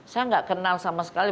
saya nggak kenal sama sekali